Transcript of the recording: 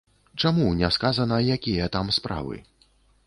Чаму не сказана, якія там справы?